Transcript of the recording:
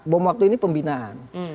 belum waktu ini pembinaan